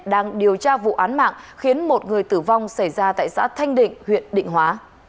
đang điều tra vụ án mạng khiến một người tử vong xảy ra tại xã thanh định huyện định hóa